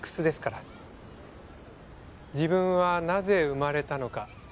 自分はなぜ生まれたのか？